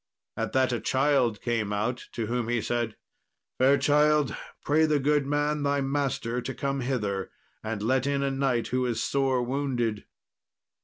At that a child came out, to whom he said, "Fair child, pray the good man thy master to come hither and let in a knight who is sore wounded."